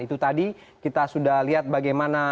itu tadi kita sudah lihat bagaimana